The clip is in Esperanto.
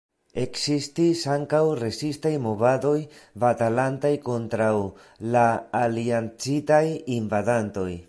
Ekzistis ankaŭ rezistaj movadoj batalantaj kontraŭ la Aliancitaj invadantoj.